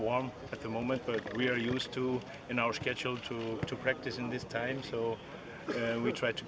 nama nama yang terpilih tidak asing bagi pelingga pecinta sepak bola nasional